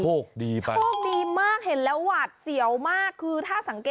โชคดีมากเห็นแล้ววะเสียวมาก